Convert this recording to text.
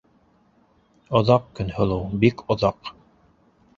Оҙаҡ, Көнһылыу, бик оҙаҡ.